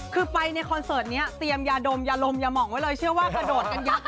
คือไปในคอนเสิร์ตนี้เตรียมยาดมยาลมอย่าห่องไว้เลยเชื่อว่ากระโดดกันยักษ์